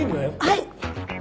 はい。